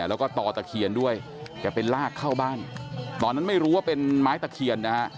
แล้วก็ต่อตะเคียนด้วยแกไปลากเข้าบ้านตอนนั้นไม่รู้ว่าเป็นไม้ตะเคียนนะฮะ